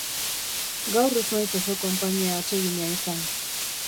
Gaur ez naiz oso konpainia atsegina izan.